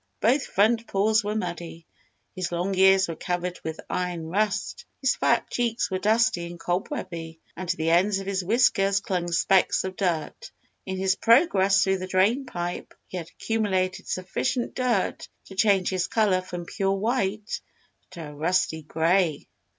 Both front paws were muddy; his long ears were covered with iron rust; his fat cheeks were dusty and cobwebby, and to the ends of his whiskers clung specks of dirt. In his progress through the drain pipe he had accumulated sufficient dirt to change his color from pure white to a rusty gray.